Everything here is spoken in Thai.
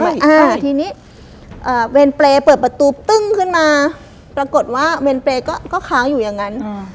แต่ทีนี้เวรเปรย์เปิดประตูตึ้งขึ้นมาปรากฏว่าเวรเปรย์ก็ค้างอยู่อย่างนั้น